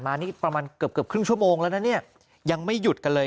นี่ประมาณเกือบเกือบครึ่งชั่วโมงแล้วนะเนี่ยยังไม่หยุดกันเลย